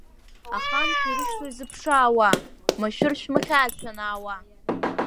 Аханқәа ирышьҭоу изыԥшаауа, машәыр шәмыхьааит шәанаауа.